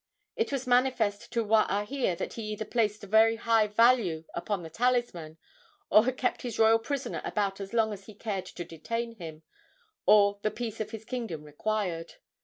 It was manifest to Waahia that he either placed a very high value upon the talisman, or had kept his royal prisoner about as long as he cared to detain him or the peace of his kingdom required.